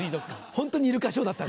ホントにイルカショーだった。